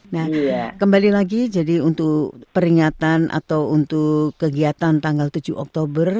nah kembali lagi jadi untuk peringatan atau untuk kegiatan tanggal tujuh oktober